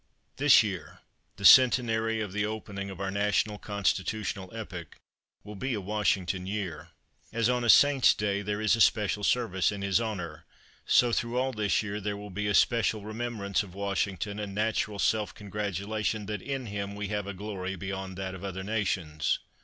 This year, the centenary of the opening of our national constitutional epoch, will be a Washington year. As on a saint's day there is a special service in his honor, so through all this year there will be especial remembrance of Washington, and natural self congratulation that in him we have a glory beyond that of other nations.